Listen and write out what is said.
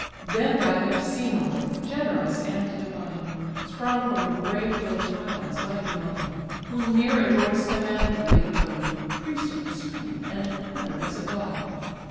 Then died Hypsenor, generous and divine, Sprung from the brave Dolopion's mighty line, Who near adored Scamander made abode, Priest of the stream, and honoured as a god.